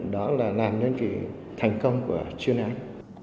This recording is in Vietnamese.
đó là làm nên cái thành công của chuyên án